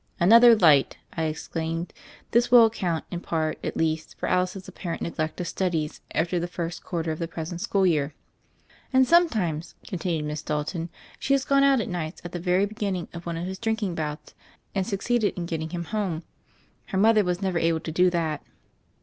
"Another light!" I exclaimed. "This will account, in part at least, for Alice's apparent neglect of studies, after the first quarter of the present school year." "And sometimes," continued Miss Dalton, "she has gone out at nights at the very begin ning of one of his drinking bouts and succeeded in getting him home. Her mother was never able to do that."